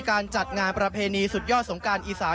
การจัดงานประเพณีสุดยอดสงการอีสาน